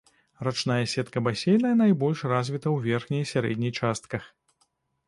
Рачная сетка басейна найбольш развіта ў верхняй і сярэдняй частках.